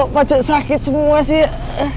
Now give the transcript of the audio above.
dua waktu kok sakit semua sih